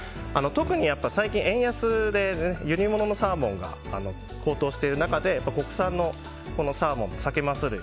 特に最近円安で輸入物のサーモンが高騰している中で国産のサーモンサケ、マス類